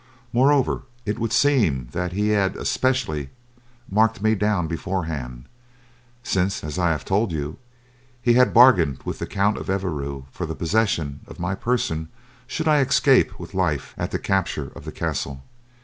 Moreover, it would seem that he had specially marked me down beforehand, since, as I have told you, he had bargained with the Count of Evreux for the possession of my person should I escape with life at the capture of the castle.